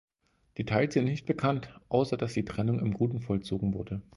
Details sind nicht bekannt, außer dass die Trennung im Guten vollzogen wurde.